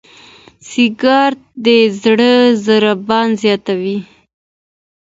سګریټ د زړه ضربان زیاتوي.